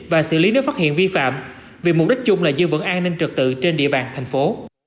và xử lý nếu phát hiện vi phạm vì mục đích chung là giữ vững an ninh trực tự trên địa bàn thành phố